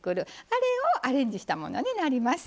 あれをアレンジしたものになります。